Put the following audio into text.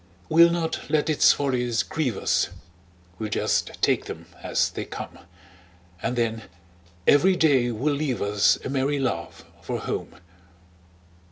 We'll not let its follies grieve us, We'll just take them as they come; And then every day will leave us A merry laugh for home.